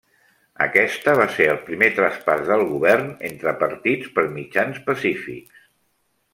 Aquesta va ser el primer traspàs del govern entre partits per mitjans pacífics.